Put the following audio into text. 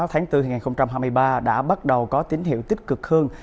sáu tháng bốn hai nghìn hai mươi ba đã bắt đầu có tín hiệu tích cực hơn